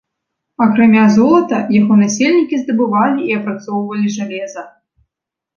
Акрамя золата яго насельнікі здабывалі і апрацоўвалі жалеза.